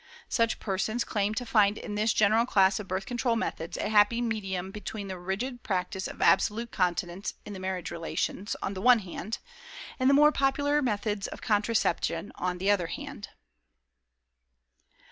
Such persons claim to find in this general class of Birth Control methods a happy medium between the rigid practice of absolute Continence in the marriage relations, on the one hand, and the more popular methods of Contraception, on the other hand.